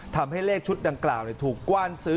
ทำให้เลขชุดดังกล่าวถูกกว้านซื้อ